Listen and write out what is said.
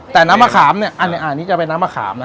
แต่น้ำมะขามเนี่ยอันนี้จะเป็นน้ำมะขามนะ